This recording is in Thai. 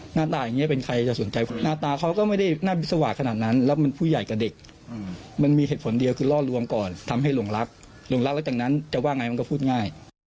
หน้าตาอย่างนี้เป็นใครจะสนใจหน้าตาเขาก็ไม่ได้น่าวิสวาสขนาดนั้นแล้วมันผู้ใหญ่กับเด็กมันมีเหตุผลเดียวคือล่อลวงก่อนทำให้หลงรักหลงรักแล้วจากนั้นจะว่าไงมันก็พูดง่าย